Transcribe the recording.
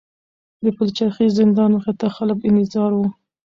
د پلچرخي زندان مخې ته خلک انتظار وو.